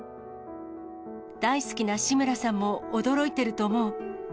大好きな志村さんも驚いてると思う。